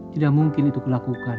tidak mungkin itu kulakukan